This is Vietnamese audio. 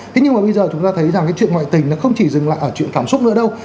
thế nhưng mà bây giờ chúng ta thấy rằng cái chuyện ngoại tình nó không chỉ dừng lại ở chuyện cảm xúc nữa đâu